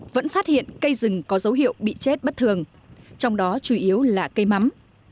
vẫn phát hiện cây rừng có dấu hiệu bị chết bất thường trong đó chủ yếu là cây mắm